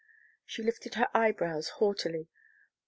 She lifted her eyebrows haughtily.